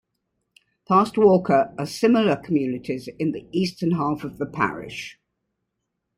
Past Walker are smaller communities in the eastern half of the parish.